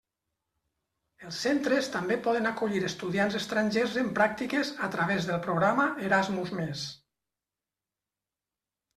Els centres també poden acollir estudiants estrangers en pràctiques a través del programa Erasmus+.